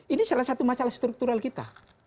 ini salah satu masalah struktural kita